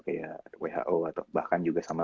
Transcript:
kayak who atau bahkan juga sama